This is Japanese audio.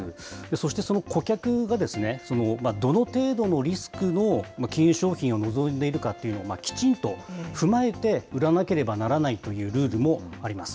そしてその顧客が、どの程度のリスクの金融商品を望んでいるかというのをきちんと踏まえて、売らなければならないというルールもあります。